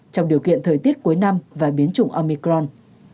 trong điều kiện thời tiết cuối năm và biến chủng omicron